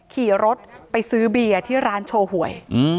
ขี่รถไปซื้อเบียร์ที่ร้านโชว์หวย